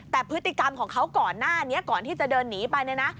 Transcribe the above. แต่พฤติกรรมของเขาก่อนหน้านี้ก่อนที่จะเดินหนีไปเนี่ยนะ